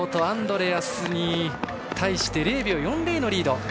アンドレアスに対して０秒４０のリード。